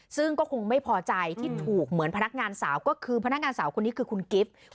ซึ่งก็คงไม่พอใจที่ถูกเหมือนพนักงานสาวก็คือพนักงานสาวคนนี้คือคุณกิฟต์